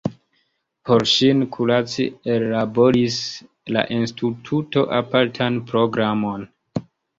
Por ŝin kuraci ellaboris la instituto apartan programon.